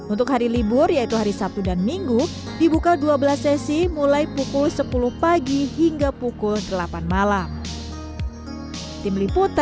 untuk hari libur yaitu hari sabtu dan minggu dibuka dua belas sesi mulai pukul sepuluh pagi hingga pukul delapan malam